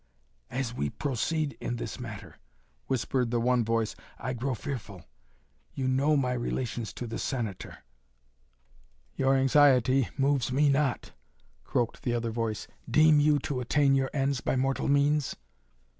"As we proceed in this matter," whispered the one voice, "I grow fearful. You know my relations to the Senator " "Your anxiety moves me not," croaked the other voice. "Deem you to attain your ends by mortal means?"